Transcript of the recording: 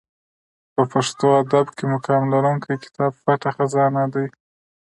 په پښتو ادب کښي مقام لرونکى کتاب پټه خزانه دئ.